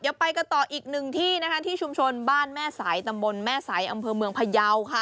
เดี๋ยวไปกันต่ออีกหนึ่งที่นะคะที่ชุมชนบ้านแม่สายตำบลแม่สายอำเภอเมืองพยาวค่ะ